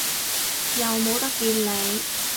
又冇得見你